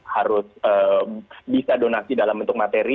harus bisa donasi dalam bentuk materi